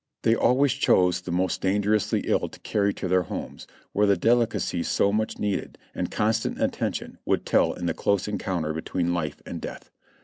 They always chose the most dangerously ill to carry to their homes, where the delicacies so much needed, and constant attention, would tell in the close encounter between life and death.